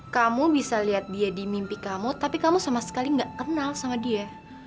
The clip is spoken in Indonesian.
kamu bisa lihat dia di mimpi kamu tapi kamu sama sekali gak kenal sama dia